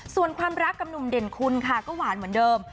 ส่วนความรักกับหนุ่มเด่นคุณค่ะก็หวานเหมือนเดิม